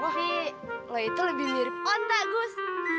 tapi lo itu lebih mirip onta gus